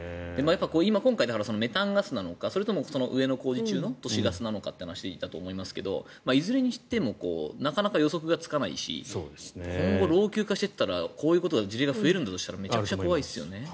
今回、メタンガスなのか上の工事中の都市ガスなのかという話だと思いますがいずれにしてもなかなか予測がつかないし今後、老朽化していったらこういう事例が増えるんだとしたらめちゃくちゃ怖いですよね。